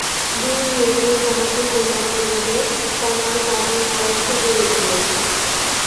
দূর হইতেই তাঁহাকে প্রণাম করিল, তাঁহার পাদস্পর্শ করিল না।